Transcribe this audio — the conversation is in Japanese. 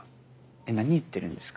えっ何言ってるんですか？